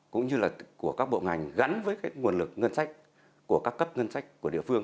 cũng như là của các bộ ngành gắn với cái nguồn lực ngân sách của các cấp ngân sách của địa phương